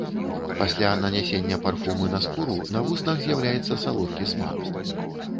Пасля нанясення парфумы на скуру, на вуснах з'яўляецца салодкі смак.